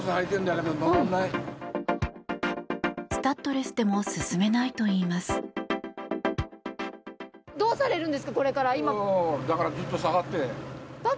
スタッドレスでも進めないといいます。